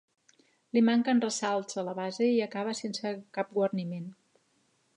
Li manquen ressalts a la base i acaba sense cap guarniment.